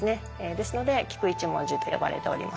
ですので菊一文字と呼ばれております。